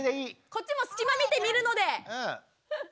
こっちも隙間みて見るので。